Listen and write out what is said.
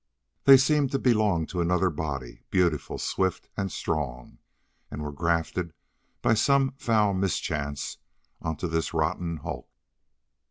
They seemed to belong to another body beautiful, swift, and strong, and grafted by some foul mischance onto this rotten hulk.